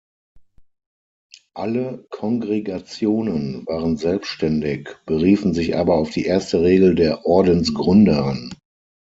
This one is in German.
Alle Kongregationen waren selbständig, beriefen sich aber auf die erste Regel der Ordensgründerin.